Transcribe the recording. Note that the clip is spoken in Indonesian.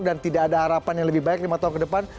dan tidak ada harapan yang lebih baik lima tahun ke depan